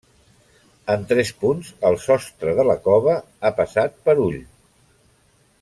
En tres punts el sostre de la cova ha passat per ull.